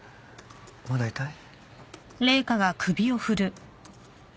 まだ痛い？